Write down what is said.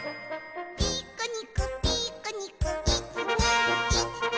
「ピクニックピクニックいちにいちに」